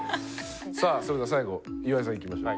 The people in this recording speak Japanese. さあそれでは最後岩井さんいきましょう。